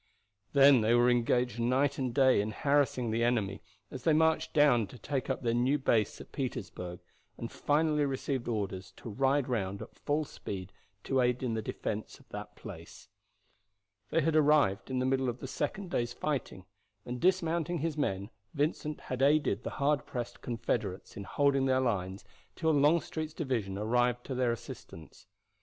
Then they were engaged night and day in harassing the enemy as they marched down to take up their new base at Petersburg, and finally received orders to ride round at full speed to aid in the defense of that place. They had arrived in the middle of the second day's fighting, and dismounting his men Vincent had aided the hard pressed Confederates in holding their lines till Longstreet's division arrived to their assistance.